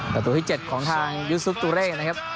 ประตูที่๗ของทางยูซุปตุเร่นะครับ